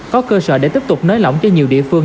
có cơ sở để tiếp tục nới lỏng cho nhiều địa phương